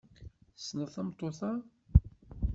Tessneḍ tameṭṭut-a?